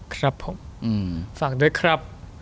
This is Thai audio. ครับผมฝากด้วยครับ